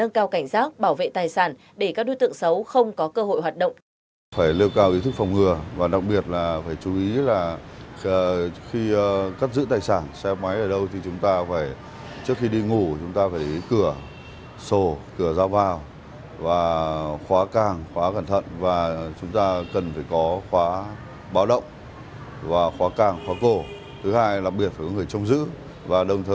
nâng cao cảnh giác bảo vệ tài sản để các đối tượng xấu không có cơ hội hoạt động